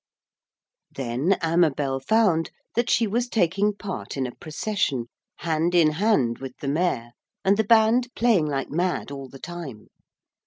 Then Amabel found that she was taking part in a procession, hand in hand with the Mayor, and the band playing like mad all the time.